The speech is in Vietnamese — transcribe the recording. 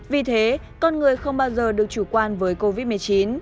vì thế con người không bao giờ được chủ quan với covid một mươi chín